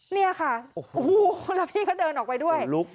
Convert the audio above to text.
เนี่ยค่ะโอ้โหแล้วพี่ก็เดินออกไปด้วย